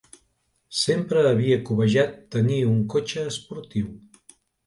Sempre havia cobejat tenir un cotxe esportiu.